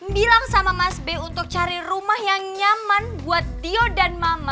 bilang sama mas b untuk cari rumah yang nyaman buat dio dan mama